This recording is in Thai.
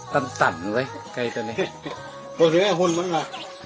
ต่ำต่ำเว้ยใกล้ตัวนี้เห็นไงหุ้นมันอ่ะ